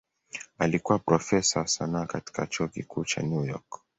Alikuwa profesa wa sanaa katika Chuo Kikuu cha New York.